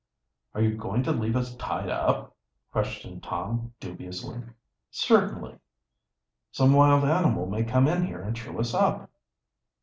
"Are you going to leave us tied up?" questioned Tom dubiously. "Certainly." "Some wild animal may come in here and chew us up."